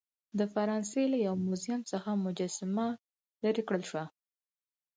د فرانسې له یو موزیم څخه مجسمه لیرې کړل شوه.